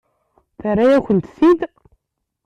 Terra-yakent-t-id?